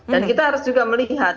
dan kita harus juga melihat